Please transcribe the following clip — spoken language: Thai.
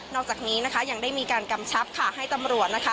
อกจากนี้นะคะยังได้มีการกำชับค่ะให้ตำรวจนะคะ